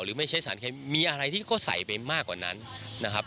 ไม่ใช่สารเคมีอะไรที่เขาใส่ไปมากกว่านั้นนะครับ